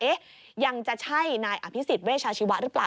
ยังจะใช่นายอภิษฎเวชาชีวะหรือเปล่า